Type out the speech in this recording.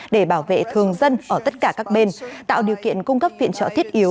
để bảo vệ thường dân ở tất cả các bên tạo điều kiện cung cấp viện trợ thiết yếu